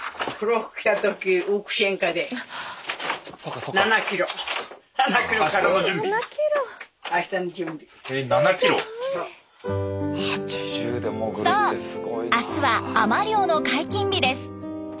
そう明日は海女漁の解禁日です。